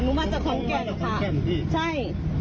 นุ้งมาจากขอนแก่นพี่